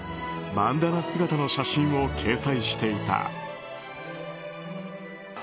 バンダナ姿の写真を掲載していた。